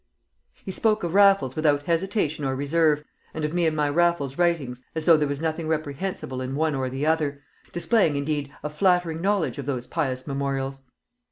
He spoke of Raffles without hesitation or reserve, and of me and my Raffles writings as though there was nothing reprehensible in one or the other, displaying indeed a flattering knowledge of those pious memorials.